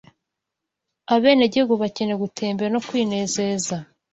abenegihugu bakeneye gutembera no kwinezeza